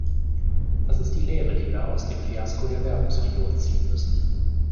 Das ist die Lehre, die wir aus dem Fiasko der Währungsunion ziehen müssen.